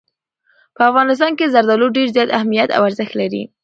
په افغانستان کې زردالو ډېر زیات اهمیت او ارزښت لري.